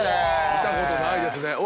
見たことないですね。